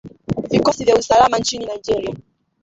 Vikosi vya usalama nchini Nigeria